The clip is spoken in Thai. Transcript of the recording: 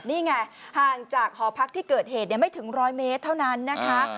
นี่ไงห่างจากหอพักที่เกิดเหตุไม่ถึง๑๐๐เมตรเท่านั้นนะคะ